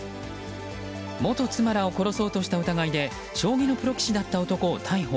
元妻らを殺そうとした疑いで将棋のプロ棋士だった男を逮捕。